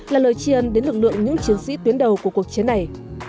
là lời tri ân đến lực lượng những chiến sĩ tuyến đầu của cuộc chiến này